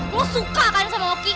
gue suka kan sama oki